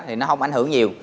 thì nó không ảnh hưởng nhiều